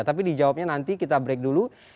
tapi dijawabnya nanti kita break dulu